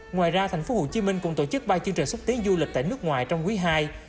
ngoài ra tp hcm cũng tổ chức ba chương trình xúc tiến du lịch tại nước ngoài trong quý ii